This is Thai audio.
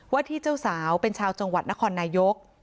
ที่เจ้าสาวเป็นชาวจังหวัดนครนายก